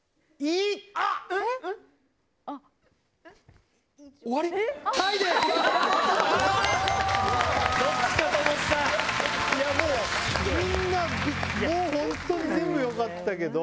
いやもうみんなもうホントに全部よかったけど。